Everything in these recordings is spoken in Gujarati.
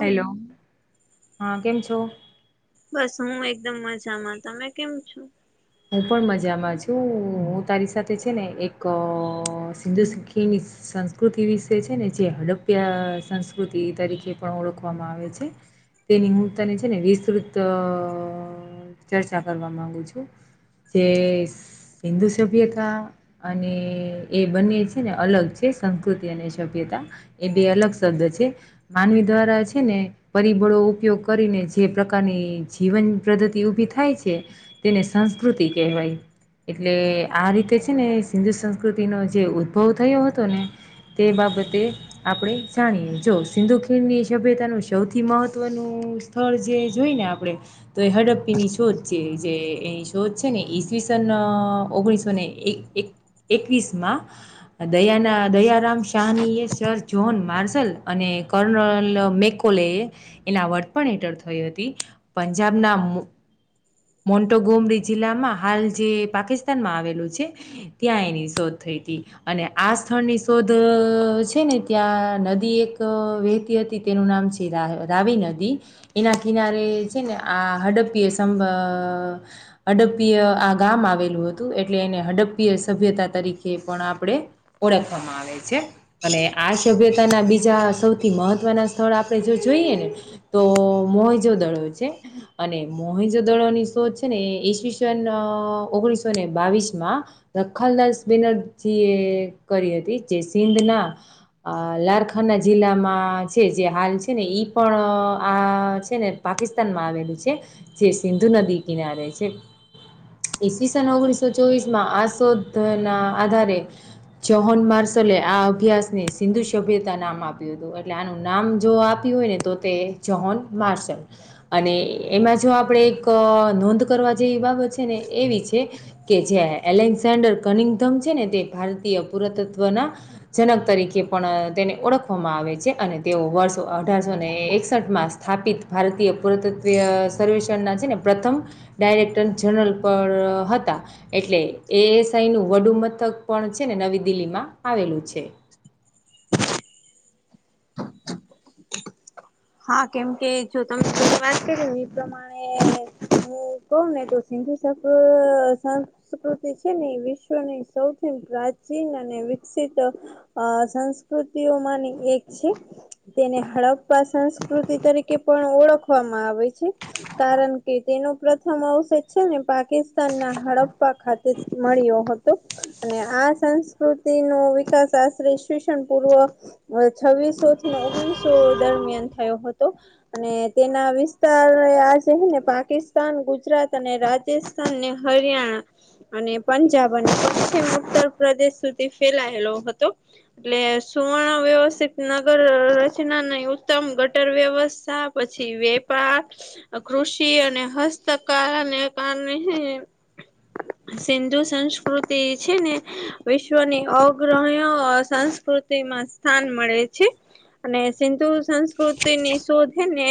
હેલો હા કેમ છો? બસ હું એકદમ મજામાં તમે કેમ છો? હું પણ મજામાં છું હું તારી સાથે છે ને એક સિંધુ સખીની સંસ્કૃતિ વિશે છે ને જે હડપ્યા સંસ્કૃતિ તરીકે પણ ઓળખવામાં આવે છે તેની હું તને છે ને વિસ્તૃત ચર્ચા કરવા માંગુ છું જે હિન્દુ સભ્યતા અને એ બંને છે ને અલગ છે સંસ્કૃતિ અને સભ્યતા એ બે અલગ શબ્દ છે માનવી દ્વારા છે ને પરિબળો ઉપયોગ કરીને જે પ્રકારની જીવન પદ્ધતિ ઊભી થાય છે તેને સંસ્કૃતિ કહેવાય એટલે આ રીતે છે ને સિંધુ સંસ્કૃતિનો જે ઉદ્ભવ થયો હતો ને તે બાબતે આપણે જાણીએ જો સિંધુ ખીણની સભ્યતાનું સૌથી મહત્વનું [unintelligible] જે જોઈ ને આપડે તો એ હડપ્પીની શોધ જેવી છે એની તો છે ને ઈસવીસન ઓગણીસો ને એક-એક-એકવીસ માં દયાના દયાારામ શહનીય શર જો્હોન માર્સલ અને કર્નલ મેકોલે એના વર્તપણ હેઠળ થઈ હતી પંજાબના મોન્ટોગોમિજ જિલ્લામાં હાલ જે પાકિસ્તાન માં આવેલું છે ત્યાં એની શોધ થઈ હતી અને આ સ્થળની શોધ છે ને ત્યાં નદી એક વહેતી હતી તેનું નામ છે રાવિ નદી એના કિનારે છે ને આ હડપ્પી સંબ હડપ્પીય આ ગામ આવેલું હતું એટલે એને હડપ્પીય સભ્યતા તરીકે પણ આપણે ઓળખવામાં આવે છે અને આ સભ્યતાના બીજા સૌથી મહત્વના સ્થળ આપણે જો જોઈએ ને તો મોહજો દડો છે અને મોહેજો દડો ની શોધ છે ને ઇસવિસન ઓગણીસોને બાવીસ માં દખલદાસ બેનરજી એ કરી હતી જે સિંધના અ લારખંના જિલ્લામાં છે જે હાલ છે ને ઈ પણ આ છે ને પાકિસ્તાનમાં આવેલું છે જે સિંધુ નદી કિનારે છે ઈસ્વીસન ઓગણીસો ચોવીસ માં આ શોધ ના આધારે જ્હોન માર્સલે આ અભ્યાસની સિંધુ સભ્યતા નામ આપ્યું હતું એટલે આનું નામ જો આપ આપ હોય ને તો તે જ્હોન માર્સલ અને એમાં જો આપણેે એક નોંધ કરવા જે ઈ બાબત છે ને એવી છે કે જે એલેન્સ સેન્ડર કનિંગધમ છે ને તે ભારતીય પુરાતત્વના જનક તરીકે પણ તેને ઓળખવામાં આવે છે અને તેઓ વર્ષ અઢારસો ને એકસઠ માસ સ્થાપિત ભારતીય પુરાતત્વ સર્વેષણ ના છેને પ્રથમ ડાયરેક્ટર જનરલ પણ હતા એટલે એએસ આઈનું વડુ મથક પણ છે ને નવી દિલ્હી માં આવેલું છે [inaudible] હા કેમ કે જો તમે શરૂ વાત કરી એ પ્રમાણે હું ક્વ ને તો સિંધુ [unintelligible] સંસ્કૃતિ છે ને એ વિશ્વની સૌથી પ્રાચીન અને વિકસિત અ સંસ્કૃતિઓમાંની એક છે તેને હડપ પાસે સંસ્કૃતિ તરીકે પણ ઓળખવામાં આવે છે કારણ કે તેનો પ્રથમ અવષધ છે ને પાકિસ્તાન ના હડપપા ખાતે મળ્યો હતો અને આ સંસ્કૃતિ નો વિકાસ આશરે શિક્ષણ પૂર્વ છવ્વીસો થીને ઓગણીસો દરમિયાન થયો હતો અને તેના વિસ્તાર આ છેને પાકિસ્તાન ગુજરાત અને રાજસ્થાન ને હરિયાણા અને પંજાબ [inaudible] અને પ્ચિમ ઉત્તર પ્રદેશ સુધી ફેલાયેલો હતો એટલે સુવર્ણ વ્યવસ્થિત નગર રચના ન ઉત્તમ ગટર વ્યવસ્થા પછી વેપાર કૃષિ અને હસ્તકળાને કારણે સિંધુ સંસ્કૃતિ છે ને વિશ્વની અગ્રણ્ય સંસ્ સ્થાન મળે અને સિંધુ સંસ્કૃતિ ની શોધીને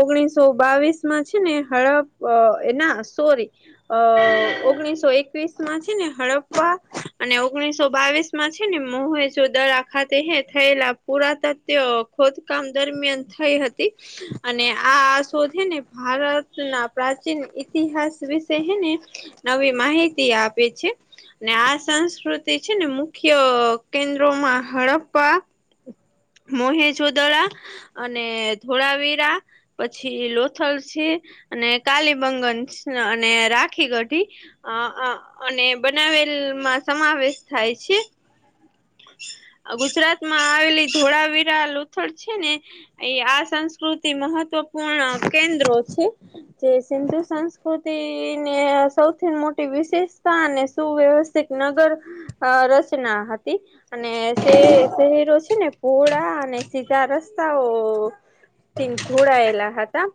ઓગણીસો બાવીસ માં છે ને હળપ અ એના સોરી અ ઓગણીસો એકવીસ માં છે ને હડપા અને ઓગણીસો બાવીસ છે ને મો ચો દરા ખાતે થયેલા પુરાતવ ખોદ કામ દરમિયાન થઈ હતી અને આ શોધેને ભારત ના પ્રાચીન ઈતિહાસ વિશેને આવી માહિતી આપે છે. ને આ સંસ્કૃતિ છે ને મુખ્ય કેન્દ્રોમાં હડપ્પા મોહે જોદડા અને ધોળાવીરા પછી લોથલ છે અને કાલીબંગન અને રાખી ગઢી અ અને બનાવેલમાં સમાવેશ થાય છે ગુજરાત માં આવેલી ધોળાવીરા લોથડ છે ને અને આ સંસ્કૃતિ મહત્વપૂર્ણ કેન્દ્રો છે. જે સિંધુ સંસ્કૃતિને સૌથી મોટી વિશેષતા અને સુવ્યવસ્થા તે એક નગર રચના હતી. અને શહેરો છે ને પોળા અને સીધા રસ્તાઓ થી જોડાયેલા હતા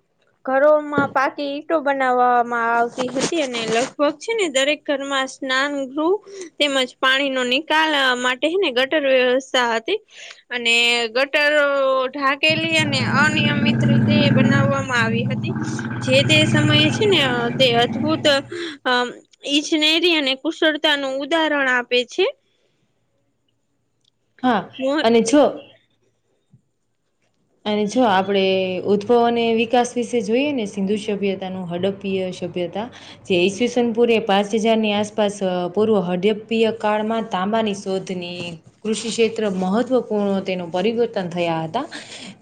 ઘરોમાં પાકી ઈંટો બનાવવામાં આવતી હતી અને લગભગ છે ને દરેક ઘરમાં સ્ન ગૃહ તેમજ પાણી ન નિકાલ માટેને ગટર વ્યવસ્થા હતી અને ગટરો ઢાંકેલી અને અનિયમિત રીતે બનાવવામાં આવી હતી. જે તે સમયે છે ને તે અદભુત અ ઈજનેરી અને કુશળતા નું ઉદાહરણ આપે છે. હા મો અને છ અને જો આપણેે ઉદભવ અને વિકાસ વિશે જોઈએ ને સિંધુ સભ્યતાનું હડપ પિય સભ્યતા જે ઈસવીસનપુરે પાંચ હજારની આસપાસ પૂર્વ હડપીય કાળમાં તાંબાની શોધની કૃષિ ક્ષેત્ર મહત્વપૂર્ણ તેનું પરિવર્તન થયા હતા.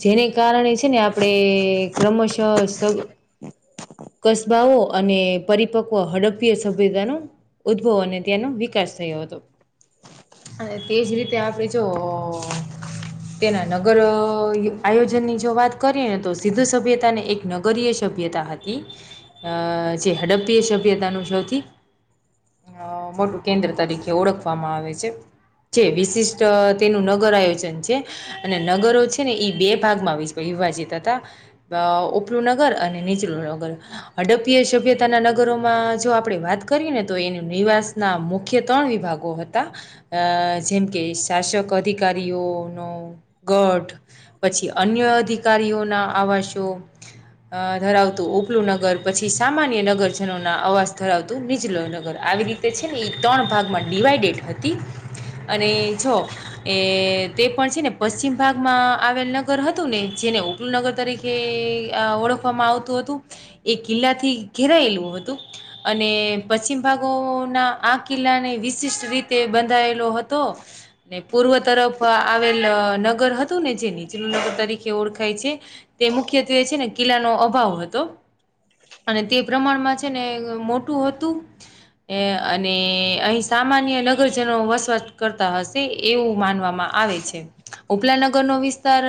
જેને કારણે છે ને આપણેે ક્રમશઃ હ કસબાઓ અને પરિપક્વ હડપીય સભ્યતા ઉદ્ભવ અને તેનો વિકાસ થયો હતો. અને તેજ રીતે આપણે જો [unintelligible] તેના નગર આયોજનની જો વાત કરીએ ને તો સીધું સભ્યતા ને એક નગરીય સભ્યતા હતી અ જે હડપ્પી સભ્યતાનું સૌથી અ કેન્દ્ર તરીકે ઓળખવામાં આવે છે વિશિષ્ટ તેનું નગર આયોજન છે અને નગરો છે ને બે ભાગમાં વિભાજીત હતા ઉપલું નગર અને નીચલું નગર અડપીય સભ્યતાના નગરોમાં જો આપણે વાત કરીએ ને તો એ નિવાસ ના મુખ્ય ત્રણ વિભાગો હતા જેમ કે શાસક અધિકારીઓનોો ગઢ પછી અન્ય અધિકારીઓ ના આવાસો ધરાવતો ઓલું નગર પછી સામાન્ય નગરજનોના અવાજ ધરાવતું નીચલું નગર આવી રીતે તે છે ને એ ત્રણ ભાગમાં ડિવાઈડેડ હતી અને જો એ તે પણ છે ને પશ્ચિમ ભાગમાં આવેલ નગર હતું ને જેને ઉલ નગર તરીકે ઓળખવામાં આવતું હતું એ કિલ્લા થી ઘેરાયેલું હતું અને પશ્ચિમ ભાગોના આ કિલ્લા ને વિશિષ્ટ રીતે બંધ લો હતો અને પૂર્વ તરફ આવે લ નગર હતું ને જે નીચલું નગર તરીકે ઓળખાય છે. તે મુખ્યત્વે છે ને કિલ્લાનો અભાવ હતો અને તે પ્રમાણમાં છે ને મોટું હતું ને અને અહી સામાન્ય નગરજનો વસવાટ કરતા હશે એવું માનવામાં આવે છે ઉપલાનગરનો વિસ્તાર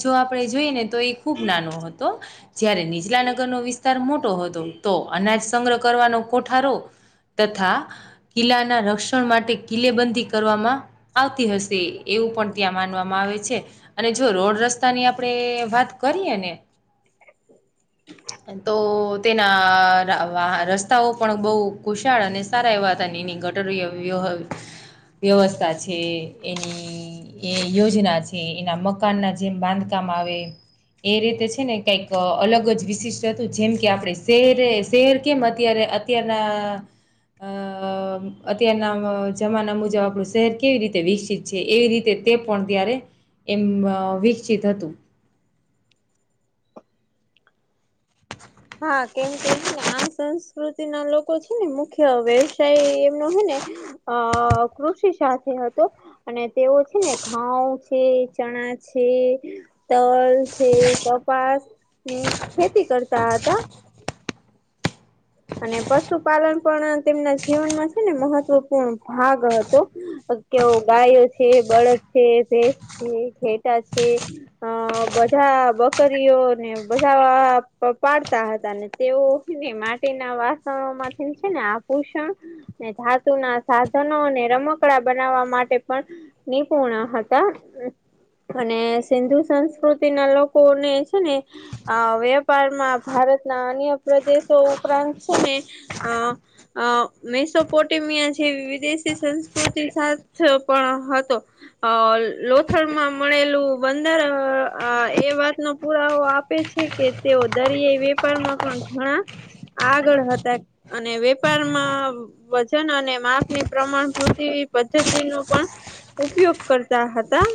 જો આપણે જોઈએ ને તો એ ખૂબ નાનો હતો જયારે નીચલા નગરનો વિસ્તાર મોટો હતો તો અનાજ સંગ્રહ કરવાનો કોઠારો તથા કિલ્લાના રક્ષણ માટે કિલ્લેબંધી કરવામાં આવતી હશે એવું પણ ત્યાં માનવામાં આવે છે. અને જો રોડ રસ્તાની આપડે વાત કરીએ ને [inaudible] તો તેના હા રસ્તાઓ પણ બહું ખુશાળ અને સારા એવા હતા એની ગટર વ્ય વ્યવસ્થા છે એની એ યોજના છે એના મકાન ના જે બાંધકામ આવે એ રીતે છે ને કઈક અલગ જ વિશિષ્ટ હતું જેમ કે આપણે શહેરે શહેર કેમ અત્યારે અત્યારના અ અત્યારના જમાના મુજબ આપણું શહેર કેવી રીતે વિકસિત છે એવી રીતે તે પણ ત્યારે એમ વિકસિત હતું હા કેમ કે છે ને આમ સંસ્કૃતિ ના લોકો છે ને મુખ્ય વ્યવસાય એમનો હેને અ કૃષિ સાથે હતો અને તેઓ છે ને ઘઉં છે ચણા છે. તલ છે કપાસ ની ખેતી કરતા હતા અને પશુપાલન પણ તેમના જીવનમાં છે ને મહત્વપૂર્ણ ભાગ હતો. તેવો ગાયો છે બળદ છે ભેસ છે ઘેટા છે. અ બધા બકરીઓને બધા પાડતા હતા ને તેઓ છે ને માટી ના વાસણોમાંથી છે ને આ ભૂષણ ને ધાતુ ના રમકડા બનાવવા માટે પણ ની પોણા હતા હમ્મ. અને સિંધુ સંસ્કૃતિ ના લોકો ને છે ને આ વેપારમાં ભારતના અન્ય પ્રદેશો ઉપરાંત છે ને આ અ મેસોપોટીમિયા જેવી વિદેશી સંસ્કૃતિ સાથે પણ હતો અ લોથડમાં મળેલું બંદર એ વાત નો પુરાવો આપે છે કે તેવો દરિયાઈ વેપારમાં પણ ઘણા આગળ હતા અને વેપારમાં વજન અને માપની પ્રમાણ વૃતિ પદ્ધતિનું પણ ઉપયોગ કરતા હતા.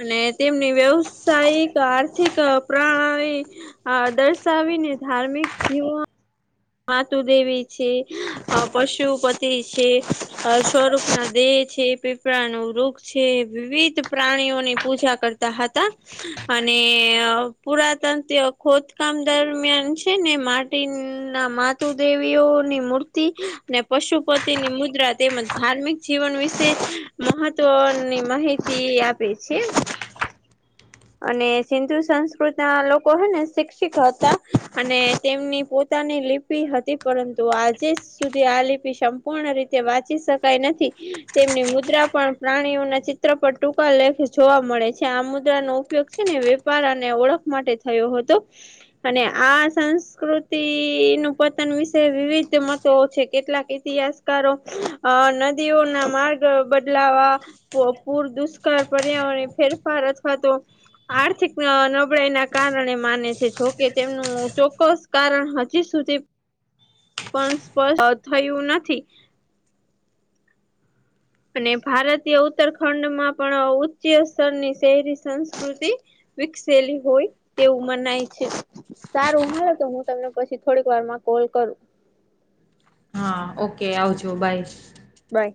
અને તેમની વ્યવસાયિક આર્થિક પ્રણાલી આ દર્શાવીને ધાર્મિક જીવન માતુ દેવી છે પશુપતિ છે અ સ્વરૂપ ના દેહ છે. પીપળાનું વૃક્ષ છે વિવિધ પ્રાણીઓની પૂજા કરતા હતા અને પુરાતનત્ય ખોદકામ દરમિયાન છે ને માટી ના માતુ દેવીઓની મૂર્તિ ને પશુપતિની મુદ્રા તેમજ ધાર્મિક જીવન વિશે મહત્વની માહિતી આપે છે. [inaudible] અને સિંધુ સંસ્કૃત ના લોકો હે ને શિક્ષિત હતા. અને તેમની પોત તાની લિપિ હતી, પરંતુ આજે સુધી આ લિપિ સંપૂર્ણ રીતે વાંચી શકાય નથી. તેમની મુદ્રા પણ પ્રાણીઓના ચિત્ર પર ટૂંકા લેખ જોવા મળે છે. આ મુદ્રાનો ઉપયોગ છે ને વેપ પાર અને ઓળખ માટે થયો હતો. અને આ સંસ્કૃત તિનું પતન વિશે વિવિધ મતો છે. કેટલાક ઇતિહાસકારો અહ નદીઓના માર્ગ બદલાવવા પ પૂર દુષ કાળ પર્યાવરણ એ ફેરફાર અથવા તો આર્થિક નબળાઈ ના કારણે માને છે. જોકે તેમનું ચોક્કસ કારણ હજી સુધી પણ સ્પષ્ટ થયું નથી. અને ભારતીય ઉત્તરખંડ માં પણ ઉચ્ચીય સ્તરની શહેરી સંસ્કૃતિ વિકસેલી હોય તેવું મનાય છે. સારું હાલો તો હું તમને પછી થોડીક વાર માં કોલ કરું. હા, ઓકે, આવજો, બાય. બાય.